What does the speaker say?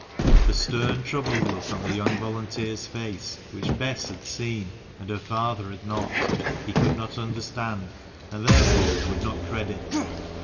The stern, troubled look on the young volunteer's face, which Bess had seen and her father had not, he could not understand, and therefore could not credit.